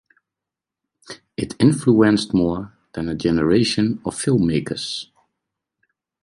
It influenced more than a generation of filmmakers.